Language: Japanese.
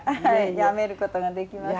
やめることができません。